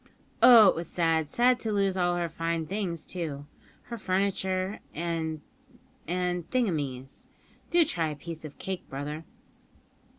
Oh! it was sad; sad to lose all her fine things, too her furniture, and and thingumies. Do try a piece of cake, brother."